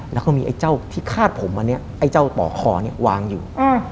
แล้วก็มีไอ้เจ้าที่คาดผมอันนี้ไอ้เจ้าต่อคอเนี่ยวางอยู่